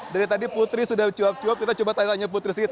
dari tadi putri sudah cuap cuap kita coba tanya tanya putri sedikit